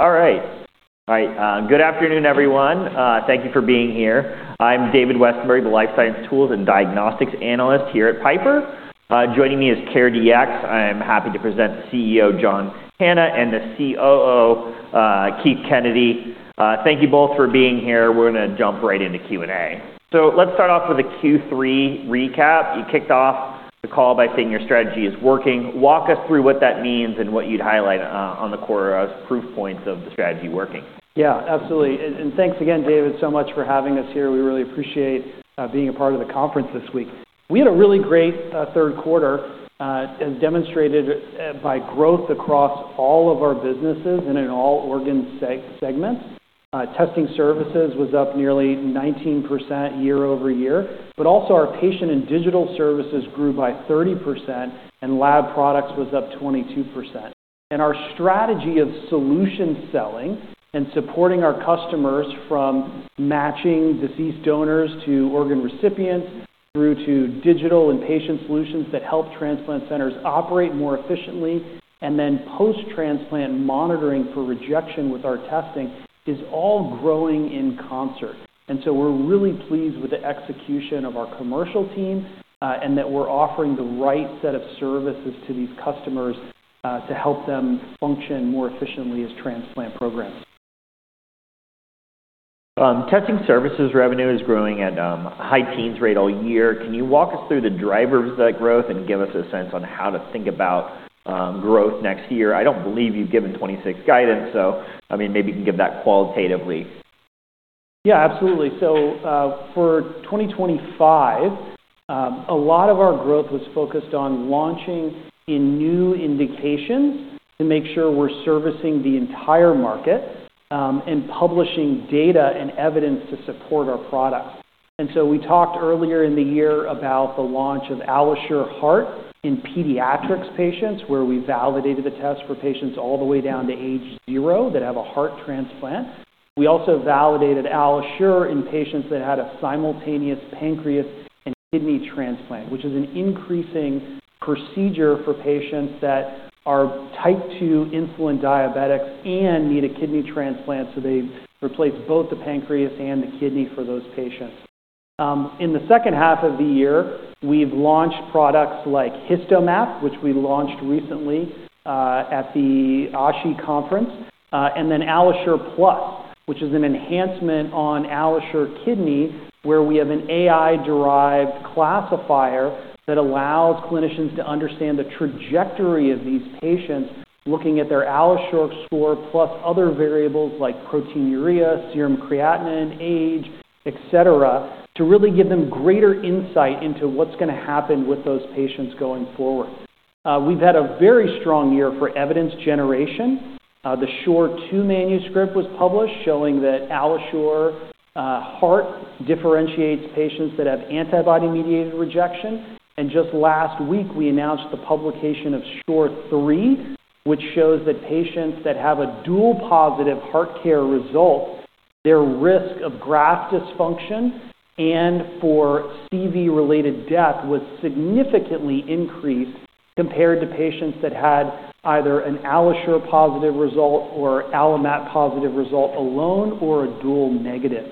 All right. All right. Good afternoon, everyone. Thank you for being here. I'm David Westenberg, the life science tools and diagnostics analyst here at Piper. Joining me is CareDx. I am happy to present CEO John Hanna and the COO, Keith Kennedy. Thank you both for being here. We're gonna jump right into Q and A. So let's start off with a Q3 recap. You kicked off the call by saying your strategy is working. Walk us through what that means and what you'd highlight on the core as proof points of the strategy working. Yeah. Absolutely. And thanks again, David, so much for having us here. We really appreciate being a part of the conference this week. We had a really great third quarter, as demonstrated by growth across all of our businesses and in all organ segments. Testing Services was up nearly 19% year over year. But also, our Patient and Digital Services grew by 30%, and Lab Products was up 22%. And our strategy of solution selling and supporting our customers from matching deceased donors to organ recipients through to digital and patient solutions that help transplant centers operate more efficiently, and then post-transplant monitoring for rejection with our testing is all growing in concert. And so we're really pleased with the execution of our commercial team, and that we're offering the right set of services to these customers, to help them function more efficiently as transplant programs. Testing services revenue is growing at a high-teens rate all year. Can you walk us through the drivers of that growth and give us a sense on how to think about growth next year? I don't believe you've given 2026 guidance, so, I mean, maybe you can give that qualitatively. Yeah. Absolutely. So, for 2025, a lot of our growth was focused on launching in new indications to make sure we're servicing the entire market, and publishing data and evidence to support our products, and so we talked earlier in the year about the launch of AlloSure Heart in pediatric patients where we validated the test for patients all the way down to age zero that have a heart transplant. We also validated AlloSure in patients that had a simultaneous pancreas and kidney transplant, which is an increasing procedure for patients that are type two insulin diabetics and need a kidney transplant, so they replace both the pancreas and the kidney for those patients. In the second half of the year, we've launched products like HistoMap, which we launched recently, at the Oshii Conference, and then AlloSure Plus, which is an enhancement on AlloSure Kidney where we have an AI-derived classifier that allows clinicians to understand the trajectory of these patients looking at their AlloSure score plus other variables like proteinuria, serum creatinine, age, etc., to really give them greater insight into what's gonna happen with those patients going forward. We've had a very strong year for evidence generation. The AlloSure 2 manuscript was published showing that AlloSure Heart differentiates patients that have antibody-mediated rejection. And just last week, we announced the publication of AlloSure 3, which shows that patients that have a dual positive HeartCare result, their risk of graft dysfunction and for CV-related death was significantly increased compared to patients that had either an AlloSure positive result or AlloMap positive result alone or a dual negative.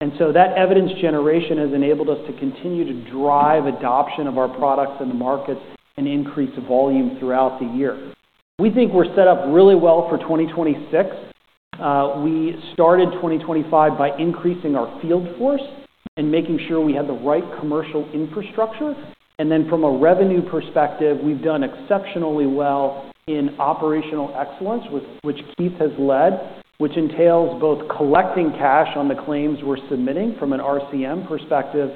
And so that evidence generation has enabled us to continue to drive adoption of our products in the market and increase volume throughout the year. We think we're set up really well for 2026. We started 2025 by increasing our field force and making sure we had the right commercial infrastructure. And then from a revenue perspective, we've done exceptionally well in operational excellence, which Keith has led, which entails both collecting cash on the claims we're submitting from an RCM perspective,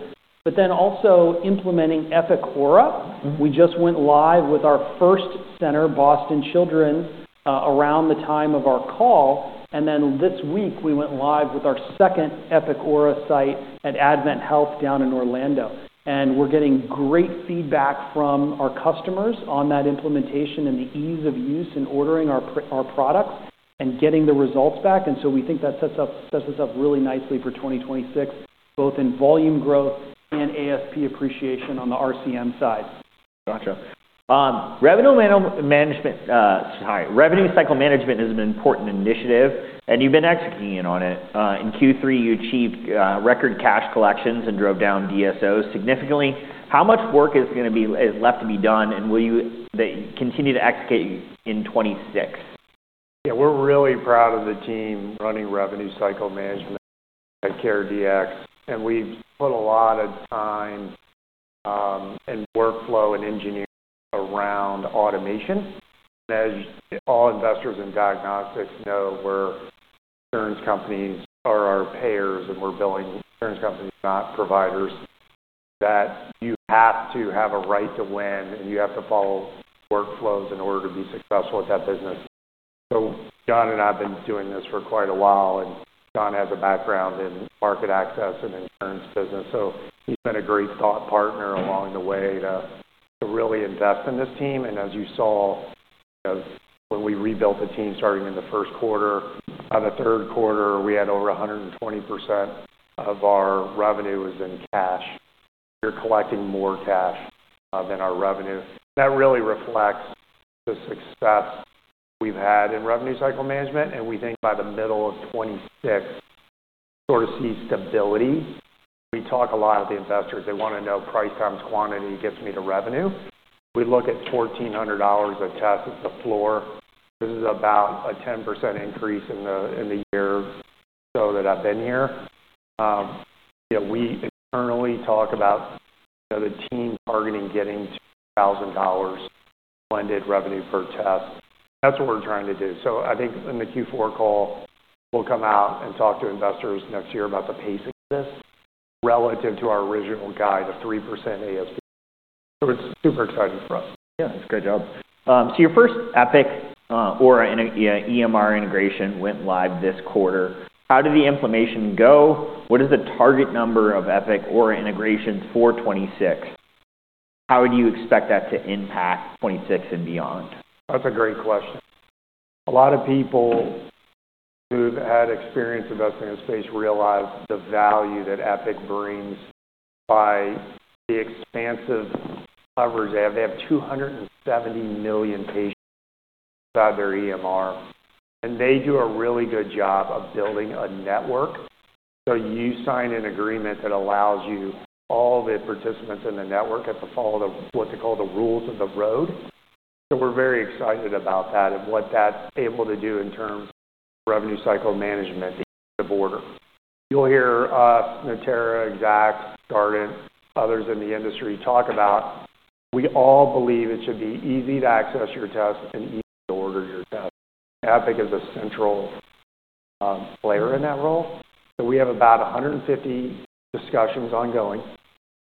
but then also implementing Epic Aura. We just went live with our first center, Boston Children's, around the time of our call. And then this week, we went live with our second Epic Aura site at AdventHealth down in Orlando. And we're getting great feedback from our customers on that implementation and the ease of use in ordering our products and getting the results back. And so we think that sets us up really nicely for 2026, both in volume growth and ASP appreciation on the RCM side. Gotcha. Revenue man-management, sorry. Revenue cycle management is an important initiative, and you've been executing on it. In Q3, you achieved record cash collections and drove down DSO significantly. How much work is gonna be left to be done, and will you continue to execute in 2026? Yeah. We're really proud of the team running revenue cycle management at CareDx, and we've put a lot of time and workflow and engineering around automation, and as all investors in diagnostics know, we're insurance companies or our payers, and we're billing insurance companies, not providers, that you have to have a right to win, and you have to follow workflows in order to be successful at that business, so John and I have been doing this for quite a while, and John has a background in market access and insurance business, so he's been a great thought partner along the way to really invest in this team, and as you saw, you know, when we rebuilt the team starting in the first quarter, by the third quarter, we had over 120% of our revenue was in cash, we're collecting more cash than our revenue. That really reflects the success we've had in revenue cycle management, and we think by the middle of 2026, sort of see stability. We talk a lot with the investors. They wanna know price times quantity gets me to revenue. We look at $1,400 of tests at the floor. This is about a 10% increase in the year or so that I've been here. You know, we internally talk about, you know, the team targeting getting to $1,000 blended revenue per test. That's what we're trying to do. So I think in the Q4 call, we'll come out and talk to investors next year about the pacing of this relative to our original guide of 3% ASP, so it's super exciting for us. Yeah. That's a great job. So your first Epic Aura in EMR integration went live this quarter. How did the implementation go? What is the target number of Epic Aura integrations for 2026? How would you expect that to impact 2026 and beyond? That's a great question. A lot of people who've had experience investing in this space realize the value that Epic brings by the expansive coverage they have. They have 270 million patients inside their EMR, and they do a really good job of building a network. So you sign an agreement that allows you all the participants in the network at the heart of what they call the rules of the road. So we're very excited about that and what that's able to do in terms of revenue cycle management to get to the provider. You'll hear us, Natera, Exact, Guardant, others in the industry talk about, we all believe it should be easy to access your test and easy to order your test. Epic is a central player in that role. So we have about 150 discussions ongoing.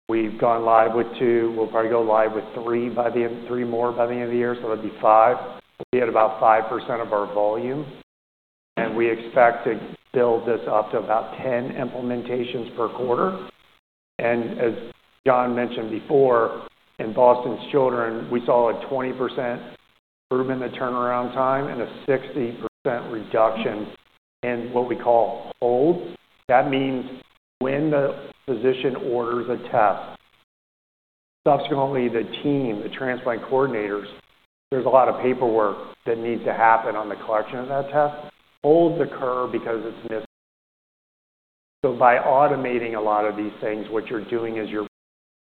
We've gone live with two. We'll probably go live with three by the end, three more by the end of the year, so that'd be five. We'll be at about 5% of our volume, and we expect to build this up to about 10 implementations per quarter, and as John mentioned before, in Boston Children's, we saw a 20% improvement in the turnaround time and a 60% reduction in what we call holds. That means when the physician orders a test, subsequently the team, the transplant coordinators, there's a lot of paperwork that needs to happen on the collection of that test. Holds occur because it's missed, so by automating a lot of these things, what you're doing is you're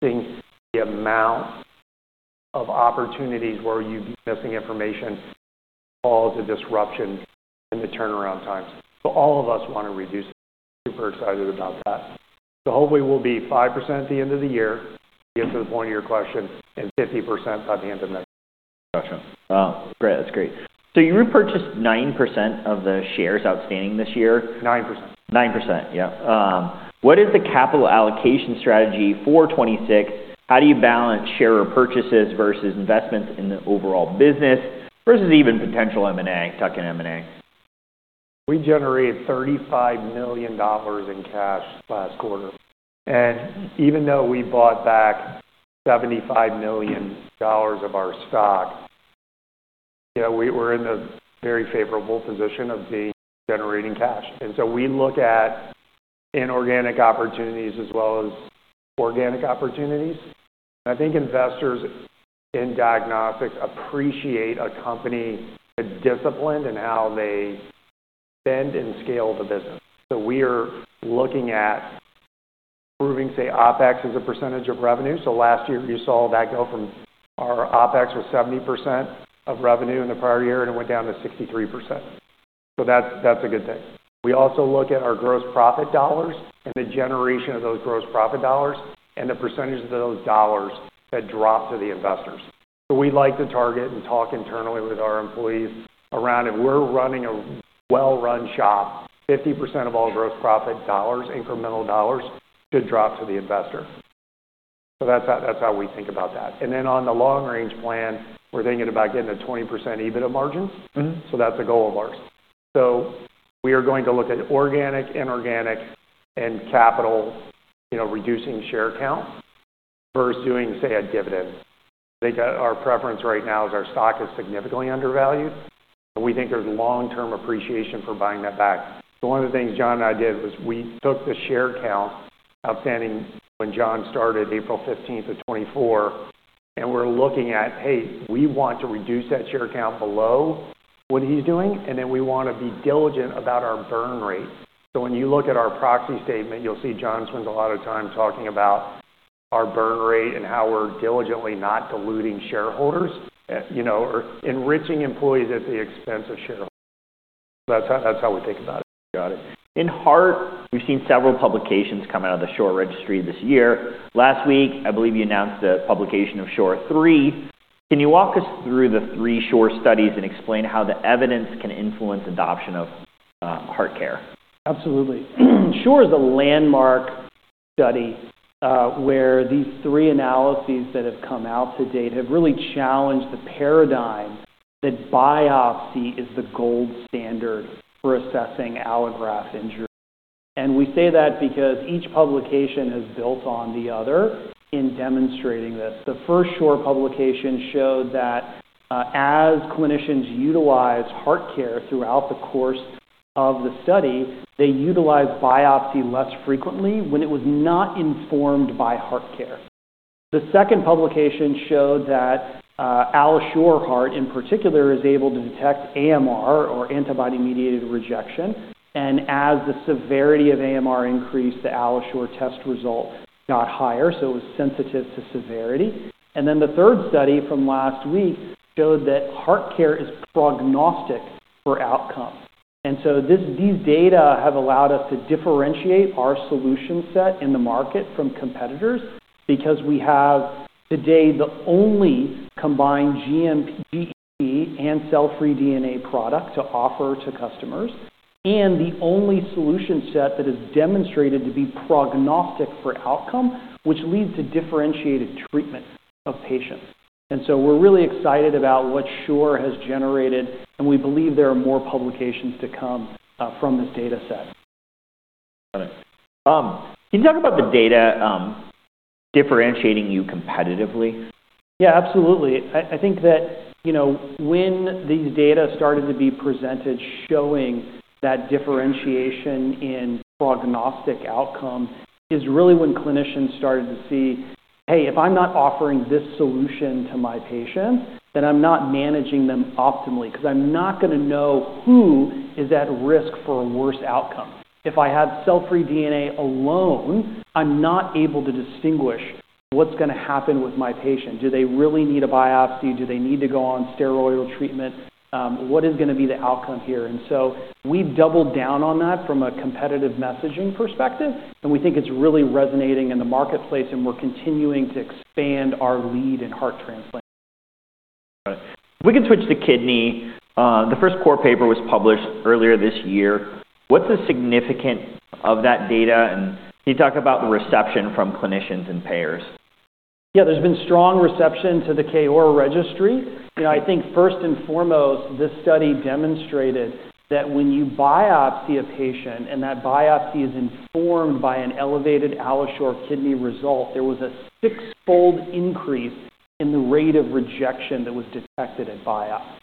missing the amount of opportunities where you'd be missing information cause a disruption in the turnaround times, so all of us wanna reduce that. We're super excited about that. The whole way will be 5% at the end of the year, to get to the point of your question, and 50% by the end of next year. Gotcha. Wow. Great. That's great. So you repurchased 9% of the shares outstanding this year. 9%. 9%. Yep. What is the capital allocation strategy for 2026? How do you balance share purchases versus investments in the overall business versus even potential M&A, tuck-in M&A? We generated $35 million in cash last quarter. And even though we bought back $75 million of our stock, you know, we were in a very favorable position of being generating cash. And so we look at inorganic opportunities as well as organic opportunities. And I think investors in diagnostics appreciate a company that's disciplined in how they spend and scale the business. So we are looking at improving, say, OPEX as a percentage of revenue. So last year, you saw that go from our OPEX was 70% of revenue in the prior year, and it went down to 63%. So that's a good thing. We also look at our gross profit dollars and the generation of those gross profit dollars and the percentage of those dollars that drop to the investors. So we'd like to target and talk internally with our employees around if we're running a well-run shop, 50% of all gross profit dollars, incremental dollars, should drop to the investor. So that's how, that's how we think about that. And then on the long-range plan, we're thinking about getting a 20% EBITDA margin. Mm-hmm. So that's a goal of ours. So we are going to look at organic, inorganic, and capital, you know, reducing share count versus doing, say, a dividend. I think our preference right now is our stock is significantly undervalued, and we think there's long-term appreciation for buying that back. So one of the things John and I did was we took the share count outstanding when John started April 15th of 2024, and we're looking at, hey, we want to reduce that share count below what he's doing, and then we wanna be diligent about our burn rate. So when you look at our proxy statement, you'll see John spends a lot of time talking about our burn rate and how we're diligently not diluting shareholders, you know, or enriching employees at the expense of shareholders. So that's how, that's how we think about it. Got it. In heart, we've seen several publications come out of the AlloSure registry this year. Last week, I believe you announced the publication of AlloSure 3. Can you walk us through the three AlloSure studies and explain how the evidence can influence adoption of HeartCare? Absolutely. AlloSure is a landmark study, where these three analyses that have come out to date have really challenged the paradigm that biopsy is the gold standard for assessing allograft injury. And we say that because each publication has built on the other in demonstrating this. The first AlloSure publication showed that, as clinicians utilize HeartCare throughout the course of the study, they utilize biopsy less frequently when it was not informed by HeartCare. The second publication showed that, AlloSure Heart in particular is able to detect AMR or antibody-mediated rejection. And as the severity of AMR increased, the AlloSure test result got higher, so it was sensitive to severity. And then the third study from last week showed that HeartCare is prognostic for outcome. And so this, these data have allowed us to differentiate our solution set in the market from competitors because we have today the only combined GMP and cell-free DNA product to offer to customers and the only solution set that is demonstrated to be prognostic for outcome, which leads to differentiated treatment of patients. And so we're really excited about what AlloSure has generated, and we believe there are more publications to come from this data set. Got it. Can you talk about the data, differentiating you competitively? Yeah. Absolutely. I think that, you know, when these data started to be presented showing that differentiation in prognostic outcome is really when clinicians started to see, hey, if I'm not offering this solution to my patients, then I'm not managing them optimally 'cause I'm not gonna know who is at risk for a worse outcome. If I have cell-free DNA alone, I'm not able to distinguish what's gonna happen with my patient. Do they really need a biopsy? Do they need to go on steroidal treatment? What is gonna be the outcome here? And so we've doubled down on that from a competitive messaging perspective, and we think it's really resonating in the marketplace, and we're continuing to expand our lead in heart transplant. Got it. We can switch to kidney. The first core paper was published earlier this year. What's the significance of that data, and can you talk about the reception from clinicians and payers? Yeah. There's been strong reception to the KORA registry. You know, I think first and foremost, this study demonstrated that when you biopsy a patient and that biopsy is informed by an elevated AlloSure Kidney result, there was a six-fold increase in the rate of rejection that was detected at biopsy.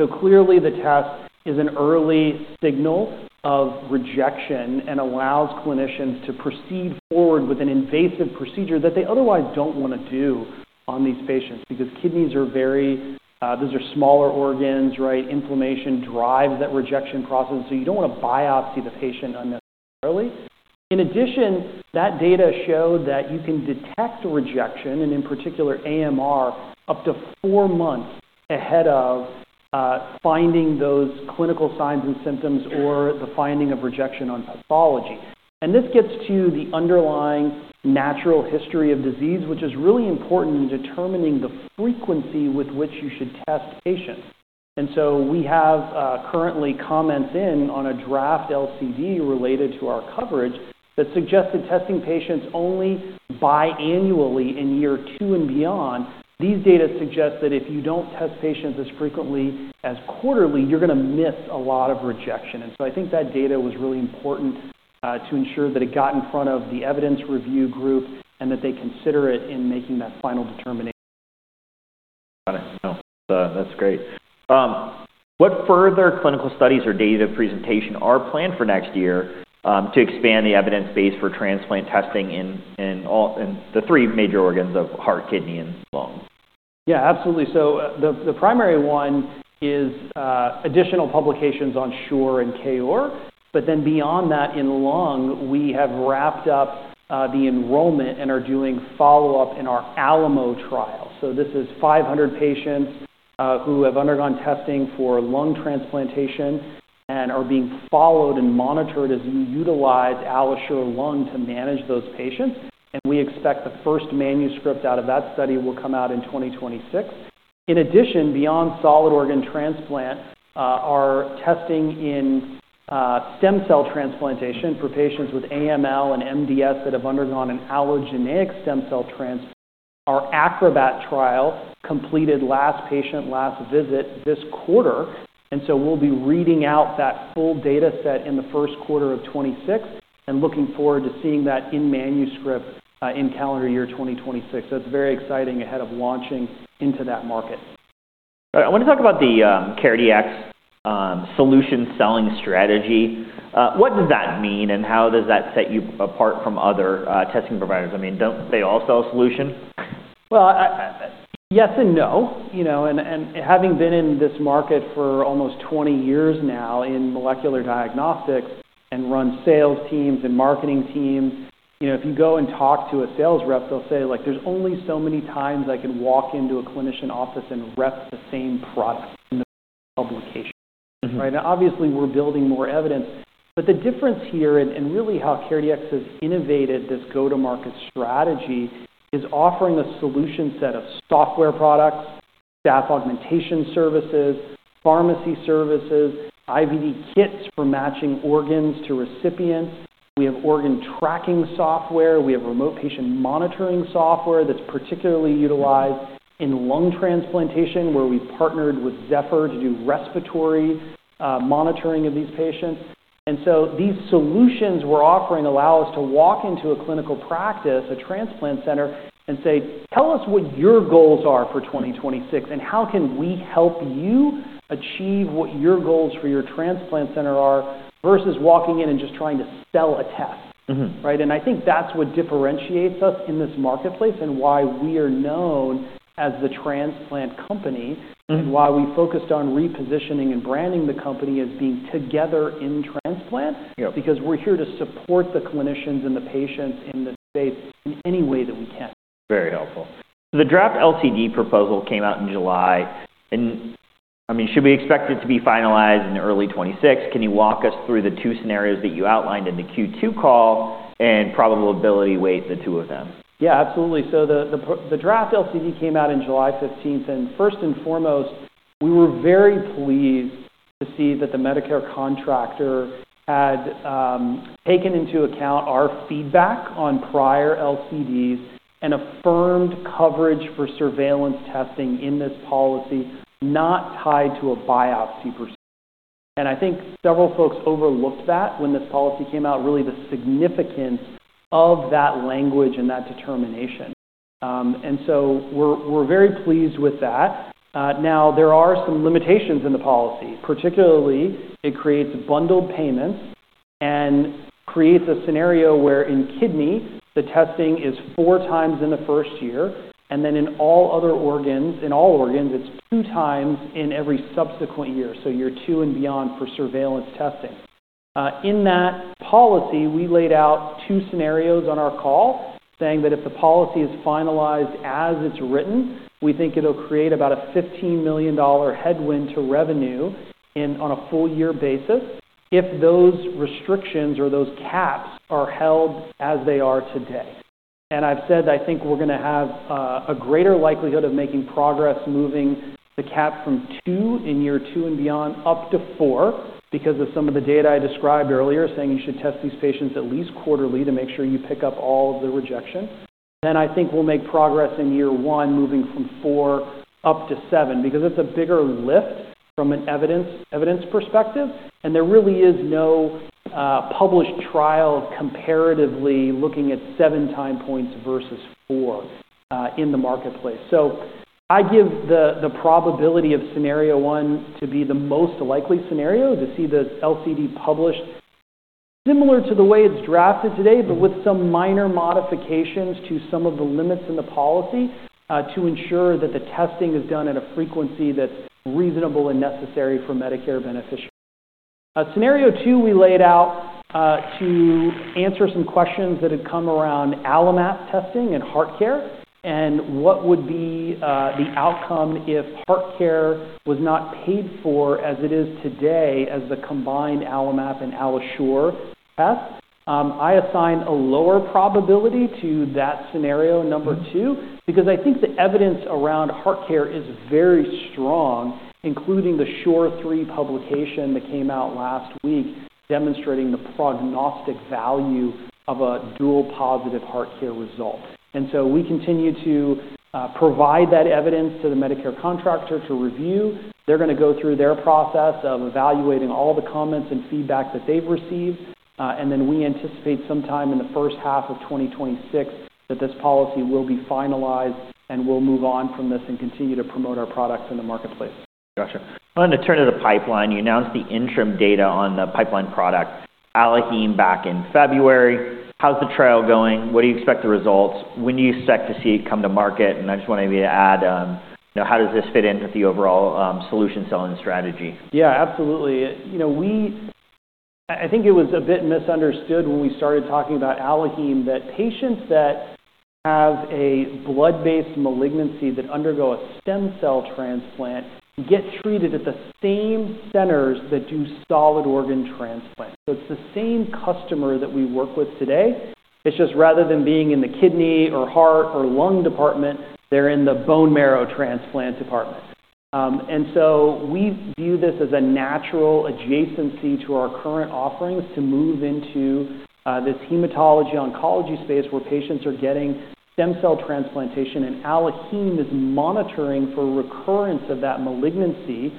So clearly, the test is an early signal of rejection and allows clinicians to proceed forward with an invasive procedure that they otherwise don't wanna do on these patients because kidneys are very, those are smaller organs, right? Inflammation drives that rejection process, so you don't wanna biopsy the patient unnecessarily. In addition, that data showed that you can detect rejection and, in particular, AMR up to four months ahead of finding those clinical signs and symptoms or the finding of rejection on pathology. This gets to the underlying natural history of disease, which is really important in determining the frequency with which you should test patients. So we have, currently comments in on a draft LCD related to our coverage that suggested testing patients only biannually in year two and beyond. These data suggest that if you don't test patients as frequently as quarterly, you're gonna miss a lot of rejection. So I think that data was really important, to ensure that it got in front of the evidence review group and that they consider it in making that final determination. Got it. No. That's, that's great. What further clinical studies or data presentation are planned for next year, to expand the evidence base for transplant testing in Allo, in the three major organs of heart, kidney, and lung? Yeah. Absolutely, so the primary one is additional publications on AlloSure and HeartCare, but then beyond that, in lung, we have wrapped up the enrollment and are doing follow-up in our Alamo trial, so this is 500 patients who have undergone testing for lung transplantation and are being followed and monitored as you utilize AlloSure Lung to manage those patients. And we expect the first manuscript out of that study will come out in 2026. In addition, beyond solid organ transplant, our testing in stem cell transplantation for patients with AML and MDS that have undergone an allogeneic stem cell transplant, our Acrobat trial completed last patient, last visit this quarter, and so we'll be reading out that full data set in the first quarter of 2026 and looking forward to seeing that in manuscript, in calendar year 2026, so it's very exciting ahead of launching into that market. All right. I wanna talk about the CareDx solution selling strategy. What does that mean, and how does that set you apart from other testing providers? I mean, don't they all sell a solution? Yes and no, you know. Having been in this market for almost 20 years now in molecular diagnostics and run sales teams and marketing teams, you know, if you go and talk to a sales rep, they'll say, like, there's only so many times I can walk into a clinician office and rep the same product in the publication. Mm-hmm. Right? Now, obviously, we're building more evidence, but the difference here and, and really how CareDx has innovated this go-to-market strategy is offering a solution set of software products, staff augmentation services, pharmacy services, IVD kits for matching organs to recipients. We have organ tracking software. We have remote patient monitoring software that's particularly utilized in lung transplantation where we partnered with Zephyr to do respiratory monitoring of these patients. And so these solutions we're offering allow us to walk into a clinical practice, a transplant center, and say, "Tell us what your goals are for 2026, and how can we help you achieve what your goals for your transplant center are versus walking in and just trying to sell a test? Mm-hmm. Right? And I think that's what differentiates us in this marketplace and why we are known as the transplant company. Mm-hmm. And why we focused on repositioning and branding the company as being together in transplant. Yep. Because we're here to support the clinicians and the patients in the space in any way that we can. Very helpful. So the draft LCD proposal came out in July, and I mean, should we expect it to be finalized in early 2026? Can you walk us through the two scenarios that you outlined in the Q2 call and probability weight the two of them? Yeah. Absolutely. So the draft LCD came out in July 15th, and first and foremost, we were very pleased to see that the Medicare contractor had taken into account our feedback on prior LCDs and affirmed coverage for surveillance testing in this policy, not tied to a biopsy per se. And I think several folks overlooked that when this policy came out, really the significance of that language and that determination, and so we're very pleased with that. Now, there are some limitations in the policy. Particularly, it creates bundled payments and creates a scenario where in kidney, the testing is four times in the first year, and then in all other organs, it's two times in every subsequent year, so year two and beyond for surveillance testing. In that policy, we laid out two scenarios on our call saying that if the policy is finalized as it's written, we think it'll create about a $15 million headwind to revenue in on a full-year basis if those restrictions or those caps are held as they are today. And I've said I think we're gonna have a greater likelihood of making progress moving the cap from two in year two and beyond up to four because of some of the data I described earlier saying you should test these patients at least quarterly to make sure you pick up all of the rejection. Then I think we'll make progress in year one moving from four up to seven because it's a bigger lift from an evidence, evidence perspective, and there really is no published trial comparatively looking at seven time points versus four in the marketplace. So I give the probability of scenario one to be the most likely scenario to see the LCD published similar to the way it's drafted today, but with some minor modifications to some of the limits in the policy, to ensure that the testing is done at a frequency that's reasonable and necessary for Medicare beneficiaries. Scenario two, we laid out, to answer some questions that had come around AlloMap testing and HeartCare and what would be the outcome if HeartCare was not paid for as it is today as the combined AlloMap and AlloSure test. I assign a lower probability to that scenario number two because I think the evidence around HeartCare is very strong, including the AlloSure publication that came out last week demonstrating the prognostic value of a dual positive HeartCare result. And so we continue to provide that evidence to the Medicare contractor to review. They're gonna go through their process of evaluating all the comments and feedback that they've received, and then we anticipate sometime in the first half of 2026 that this policy will be finalized and we'll move on from this and continue to promote our products in the marketplace. Gotcha. I wanted to turn to the pipeline. You announced the interim data on the pipeline product, AlloHome, back in February. How's the trial going? What do you expect the results? When do you expect to see it come to market? And I just want maybe to add, you know, how does this fit in with the overall solution selling strategy? Yeah. Absolutely. You know, I think it was a bit misunderstood when we started talking about AlloHome that patients that have a blood-based malignancy that undergo a stem cell transplant get treated at the same centers that do solid organ transplant. So it's the same customer that we work with today. It's just rather than being in the kidney or heart or lung department, they're in the bone marrow transplant department. And so we view this as a natural adjacency to our current offerings to move into this hematology-oncology space where patients are getting stem cell transplantation, and AlloHome is monitoring for recurrence of that malignancy,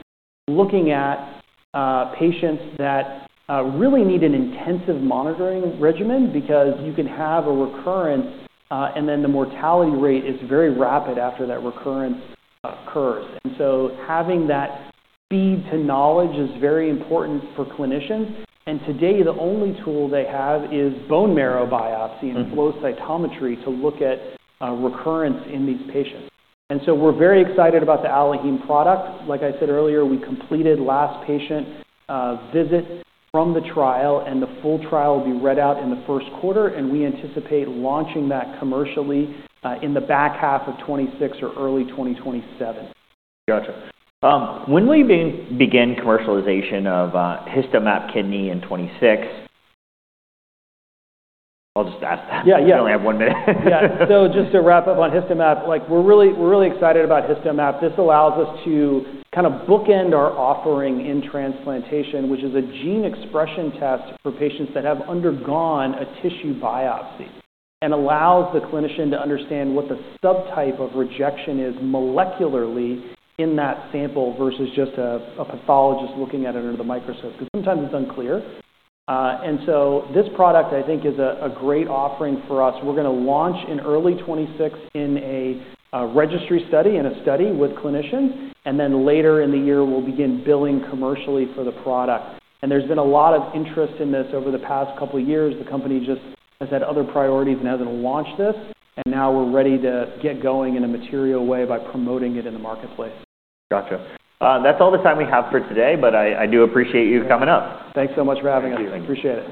looking at patients that really need an intensive monitoring regimen because you can have a recurrence, and then the mortality rate is very rapid after that recurrence occurs. And so having that feed to knowledge is very important for clinicians. Today, the only tool they have is bone marrow biopsy and flow cytometry to look at recurrence in these patients. So we're very excited about the AlloHome product. Like I said earlier, we completed last patient visit from the trial, and the full trial will be read out in the first quarter, and we anticipate launching that commercially in the back half of 2026 or early 2027. Gotcha. When will you begin commercialization of HistoMap Kidney in 2026? I'll just ask that. Yeah. Yeah. You only have one minute. Yeah. So just to wrap up on HistoMap, like, we're really excited about HistoMap. This allows us to kind of bookend our offering in transplantation, which is a gene expression test for patients that have undergone a tissue biopsy and allows the clinician to understand what the subtype of rejection is molecularly in that sample versus just a pathologist looking at it under the microscope because sometimes it's unclear. And so this product, I think, is a great offering for us. We're gonna launch in early 2026 in a registry study and a study with clinicians, and then later in the year, we'll begin billing commercially for the product. And there's been a lot of interest in this over the past couple of years. The company just has had other priorities and hasn't launched this, and now we're ready to get going in a material way by promoting it in the marketplace. Gotcha. That's all the time we have for today, but I do appreciate you coming up. Thanks so much for having us. Thank you. Appreciate it.